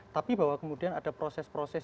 tapi bahwa kemudian ada proses proses